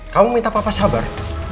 kamu minta papa sabar